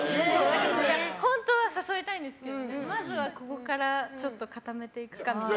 本当は誘いたいんですけどまずはここから固めていくかみたいな。